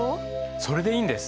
それでいいんです。